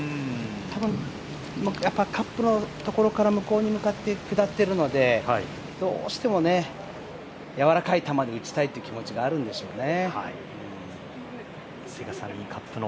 多分、やっぱカップのところから向こうに向かって下っているのでどうしても、やわらかい弾で打ちたい気持ちがあるんでしょうね。